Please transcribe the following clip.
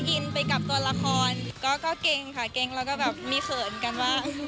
อินไปกับตัวละครก็เก่งค่ะเกรงแล้วก็แบบมีเขินกันว่า